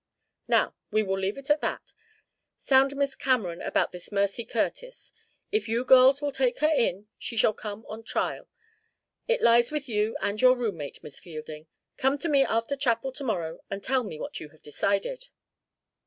"Now, we will leave that. Sound Miss Cameron about this Mercy Curtis. If you girls will take her in, she shall come on trial. It lies with you, and your roommate, Miss Fielding. Come to me after chapel to morrow and tell me what you have decided."